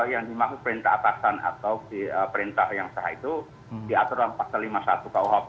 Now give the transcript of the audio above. yang dimaksud perintah atasan atau perintah yang sah itu diatur dalam pasal lima puluh satu kuhp